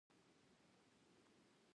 د ونو له مينځه په ونه لوړ سړی را ووت.